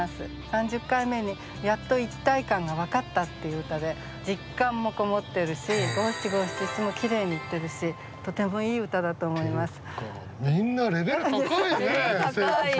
三十回目にやっと一体感が分かったっていう歌で実感もこもってるし五七五七七もきれいにいってるしとてもいい歌だと思います。